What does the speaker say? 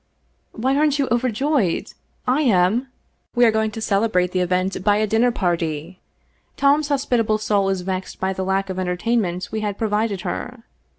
" Why, aren't you overjoyed? I am. We are going to celebrate the event by a dinner party. Tom's hospitable soul is vexed by the lack of entertainment we had pro vided her.